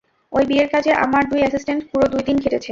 ওই বিয়ের কাজে আমার দুই এসিস্ট্যান্ট পুরো দুই দিন খেটেছে।